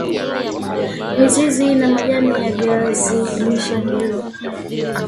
mizizi na majani ya viazi lishe huliwa